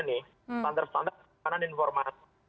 standar standar penanganan informasi